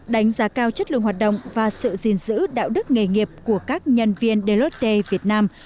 đánh giá cao chất lượng hoạt động và sự gìn giữ đạo đức nghề nghiệp của các nhân viên del việt nam